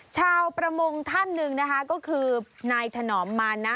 ชาวประมงท่านหนึ่งนะคะก็คือนายถนอมมานะ